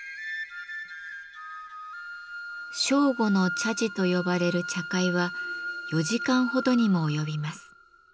「正午の茶事」と呼ばれる茶会は４時間ほどにも及びます。